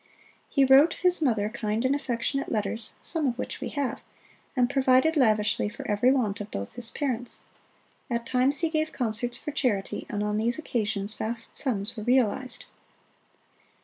He wrote his mother kind and affectionate letters, some of which we have, and provided lavishly for every want of both his parents. At times he gave concerts for charity, and on these occasions vast sums were realized.